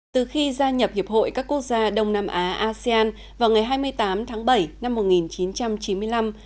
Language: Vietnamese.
từ khi gia nhập hiệp hội các quốc gia đông nam á asean vào ngày hai mươi tám tháng bảy năm một nghìn chín trăm chín mươi năm